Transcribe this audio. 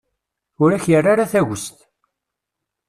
Ur ak-irra ara tagest.